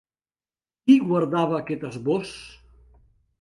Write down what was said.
Qui guardava aquest esbós?